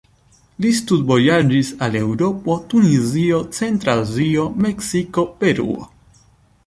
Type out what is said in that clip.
Li studvojaĝis al Eŭropo, Tunizio, Centra Azio, Meksiko, Peruo.